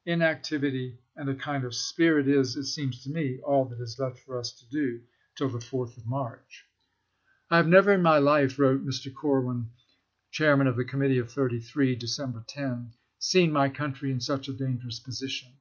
.. Inactivity and a kind spirit is, it seems to me, all that is left for us to do, till the 4th of March." THE PRESIDENT ELECT 255 "I have never in my life," wrote Mr. Corwin, chap.xvi. Chairman of the Committee of Thirty three (Decem ber 10), "seen my country in such a dangerous position.